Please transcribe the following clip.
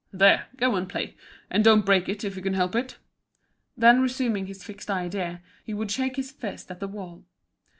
There, go and play, and don't break it, if you can help it." Then resuming his fixed idea, he would shake his fist at the wall.